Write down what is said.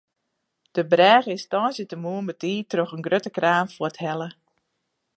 De brêge is tongersdeitemoarn betiid troch in grutte kraan fuorthelle.